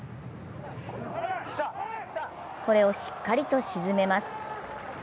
これをしっかりと沈めます。